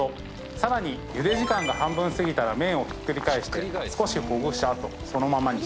さらにゆで時間が半分過ぎたら麺をひっくり返して少しほぐした後そのまんまにします。